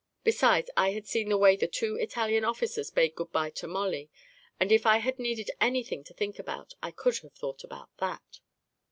Besides, I had seen the way the two Italian officers bade good bye to Mollie, and if I had needed anything to think about, I could have thought about that